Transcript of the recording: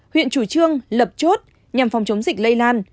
huyện chủ trương lập chốt nhằm phòng chống dịch lây lan